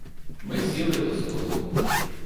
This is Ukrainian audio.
Ми сіли до столу.